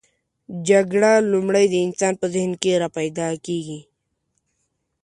جګړه لومړی د انسان په ذهن کې راپیداکیږي.